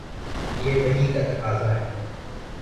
یہ وحی کا تقاضا ہے۔